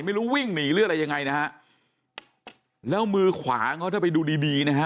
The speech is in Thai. ไม่รู้วิ่งหนีหรืออะไรยังไงนะฮะแล้วมือขวาเขาถ้าไปดูดีดีนะฮะ